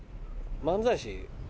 漫才師？